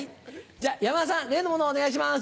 じゃ山田さん例のものお願いします。